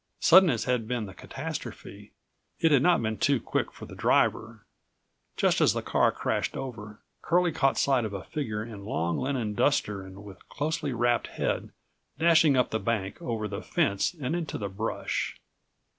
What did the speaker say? Sudden as had been the catastrophe, it had not been too quick for the driver. Just as the car crashed over, Curlie caught sight of a figure in long linen duster and with closely wrapped head, dashing up the bank, over the fence and into the brush.